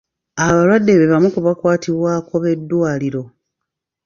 Abalwadde be bamu ku bakwatibwako b'eddwaliro.